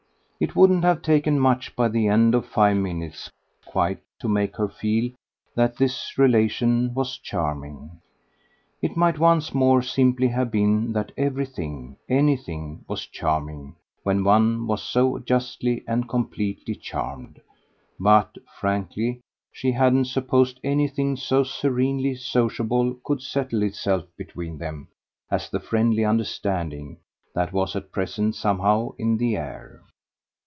It wouldn't have taken much by the end of five minutes quite to make her feel that this relation was charming. It might, once more, simply have been that everything, anything, was charming when one was so justly and completely charmed; but, frankly, she hadn't supposed anything so serenely sociable could settle itself between them as the friendly understanding that was at present somehow in the air.